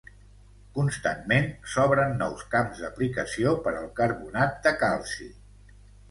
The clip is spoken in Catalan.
Constantment s'obren nous camps d'aplicació per al carbonat de calci.